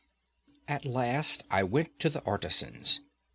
At last I went to the artisans.